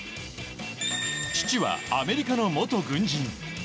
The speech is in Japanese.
父はアメリカの元軍人。